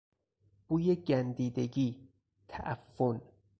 بوی گندیدگی، تعفن